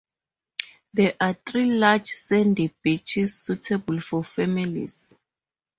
There are three large sandy beaches suitable for families.